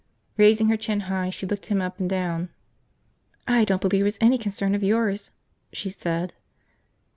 Raising her chin high, she looked him up and down. "I don't believe it's any concern of yours," she said.